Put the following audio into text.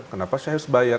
kenapa saya harus bayar